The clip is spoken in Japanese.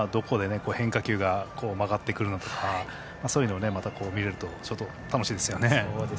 どこで変化球が曲がってくるのかとかそういうのを見れると楽しいですよね。